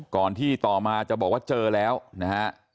ก่อนที่ต่อมาจะบอกว่าเจอแล้วนะฮะ